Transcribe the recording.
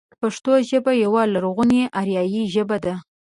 پښتو ژبه يوه لرغونې اريايي ژبه ده.